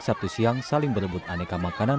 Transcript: sabtu siang saling berebut aneka makanan